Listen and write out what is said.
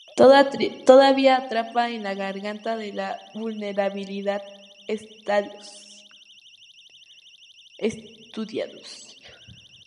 Todavía atrapa en la garganta de la vulnerabilidad estudiados.